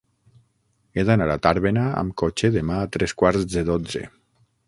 He d'anar a Tàrbena amb cotxe demà a tres quarts de dotze.